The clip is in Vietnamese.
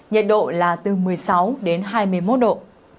nhiệt độ là từ một mươi sáu đến hai mươi một độ